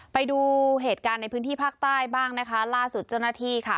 ไปดูเหตุการณ์ในพื้นที่ภาคใต้บ้างนะคะล่าสุดเจ้าหน้าที่ค่ะ